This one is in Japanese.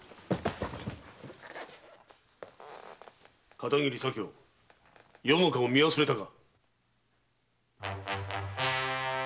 片桐左京余の顔見忘れたか。